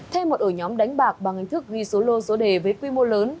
thêm một ổ nhóm đánh bạc bằng hình thức ghi số lô số đề với quy mô lớn